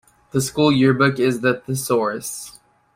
The school yearbook is the "Thesaurus".